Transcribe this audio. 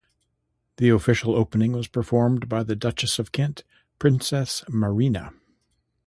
The official opening was performed by the Duchess of Kent, Princess Marina.